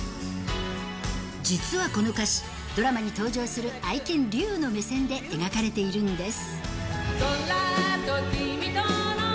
実はこの歌詞、ドラマに登場する愛犬、リュウの目線で描かれているんです。